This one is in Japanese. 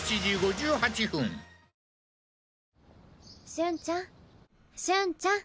瞬ちゃん瞬ちゃん！